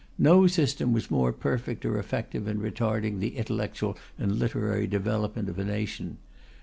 No system was more perfect or effective in retarding the intellectual and literary development of a nation.